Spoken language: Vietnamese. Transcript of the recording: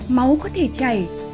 máu có thể chảy